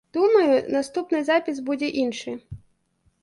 Думаю, наступны запіс будзе іншы.